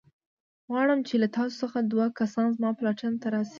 غواړم چې له تاسو څخه دوه کسان زما پلټن ته راشئ.